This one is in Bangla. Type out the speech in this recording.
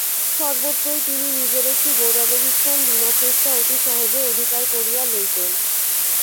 সর্বত্রই তিনি নিজের একটি গৌরবের স্থান বিনা চেষ্টায় অতি সহজেই অধিকার করিয়া লইতেন।